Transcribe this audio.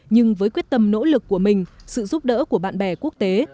nhưng với quyết tâm nỗ lực của mình sự giúp đỡ của bạn bè quốc tế